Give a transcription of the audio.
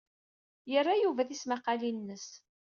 Yerra Yuba tismaqqalin-nnes.